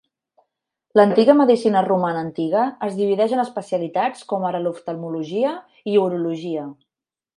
L'antiga medicina romana antiga es divideix en especialitats com ara oftalmologia i urologia.